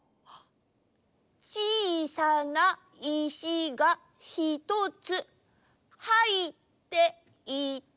「ちいさないしがひとつ、はいっていた」。